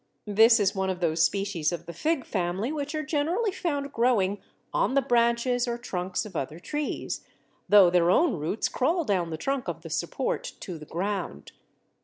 This is one of those species of the Fig family which are generally found growing on the branches or trunks of other trees, though their own roots crawl down the trunk of the support to the ground.